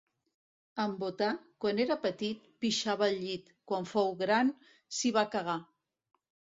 En Botà, quan era petit, pixava al llit; quan fou gran, s'hi va cagar.